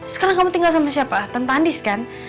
sekarang kamu tinggal sama siapa tante andis kan